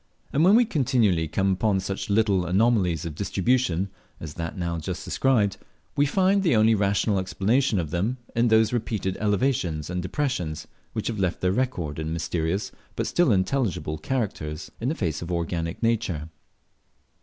And when we continually come upon such little anomalies of distribution as that just now described, we find the only rational explanation of them, in those repeated elevations and depressions which have left their record in mysterious, but still intelligible characters on the face of organic nature.